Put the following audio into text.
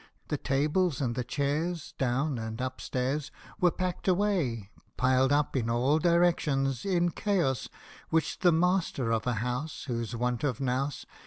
The tables and the chairs Down and up stairs Were packed away piled up in all directions, In chaos, which the master of a house Whose want of nous THE SLEEPING BEAUTY.